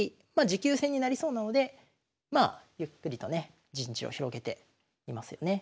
持久戦になりそうなのでまあゆっくりとね陣地を広げていますよね。